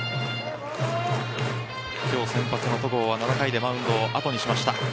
今日先発の戸郷は７回でマウンドを後にしました。